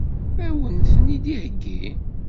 Ad wen-ten-id-iheggi?